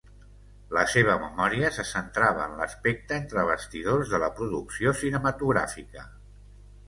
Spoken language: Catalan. La seva memòria se centrava en l"aspecte entre bastidors de la producció cinematogràfica.